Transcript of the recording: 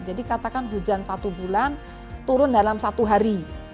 jadi katakan hujan satu bulan turun dalam satu hari